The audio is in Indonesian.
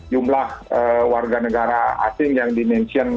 jumlah warga negara asing yang di mention